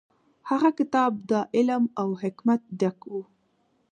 هغه کتاب د علم او حکمت ډک و.